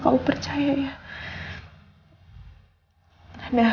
kebisaan einmal ini yaa